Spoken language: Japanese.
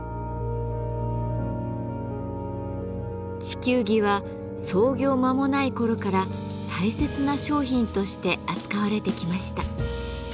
地球儀は創業間もない頃から大切な商品として扱われてきました。